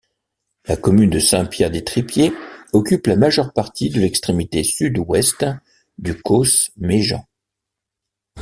La commune de Saint-Pierre-des-Tripiers occupe la majeure partie de l'extrémité sud-ouest du causse Méjean.